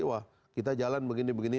wah kita jalan begini begini